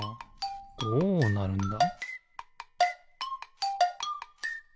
どうなるんだ？